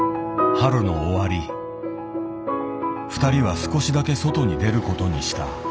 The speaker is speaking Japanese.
春の終わり二人は少しだけ外に出ることにした。